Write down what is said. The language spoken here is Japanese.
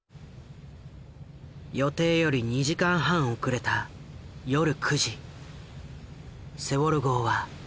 予定より２時間半遅れた夜９時セウォル号は出航した。